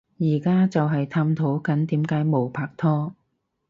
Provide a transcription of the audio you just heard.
而家就係探討緊點解冇拖拍